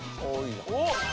おっ。